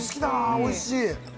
おいしい。